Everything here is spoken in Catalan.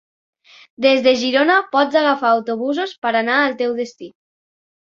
Des de Girona pots agafar autobusos per anar al teu destí.